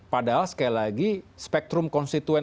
padahal sekali lagi spektrum konstituen